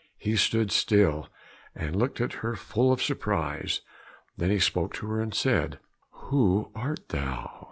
He stood still and looked at her full of surprise, then he spoke to her and said, "Who art thou?